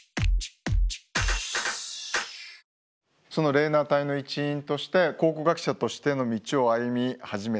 レーナー隊の一員として考古学者としての道を歩み始めた。